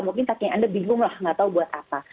mungkin kakek anda bingung lah nggak tahu buat apa